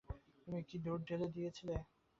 তুই কি দুধ ঢেলে দিয়েছিলি?